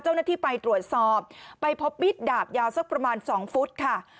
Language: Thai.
เจ้าหน้าที่ไปตรวจสอบไปพบมิดดาบยาวสักประมาณ๒ฟุตค่ะ